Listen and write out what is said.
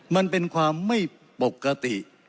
มันเป็นความไม่ปกติ